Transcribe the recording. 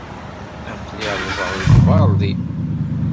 Aql-i rrẓeɣ deg uberḍi.